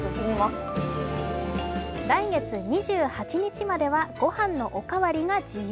来月２８日まではご飯のおかわりが自由。